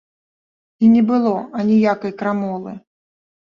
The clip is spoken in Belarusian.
І не было аніякай крамолы!